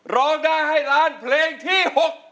ร้องได้ให้ล้านเพลงที่๖